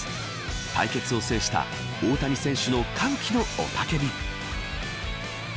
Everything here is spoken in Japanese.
対決を制した大谷選手の歓喜の雄たけび。